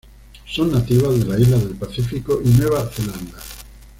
Son nativas de las islas del Pacífico y Nueva Zelanda.